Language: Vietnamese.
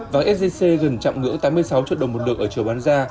vàng sgc gần chạm ngưỡng tám mươi sáu triệu đồng một lượng ở chiều bán ra